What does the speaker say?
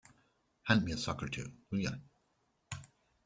Hand me a sock or two, will you?